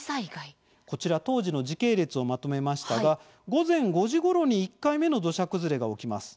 こちら当時の時系列をまとめましたが、午前５時ごろに１回目の土砂崩れが起きます。